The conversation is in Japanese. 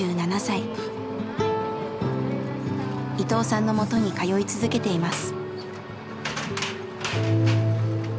伊藤さんのもとに通い続けています。